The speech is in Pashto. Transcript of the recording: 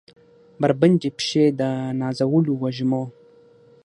بربنډې پښې د نازولو وږمو